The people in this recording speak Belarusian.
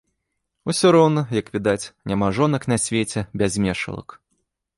Усё роўна, як відаць, няма жонак на свеце без мешалак.